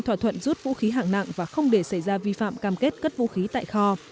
thỏa thuận rút vũ khí hạng nặng và không để xảy ra vi phạm cam kết cất vũ khí tại kho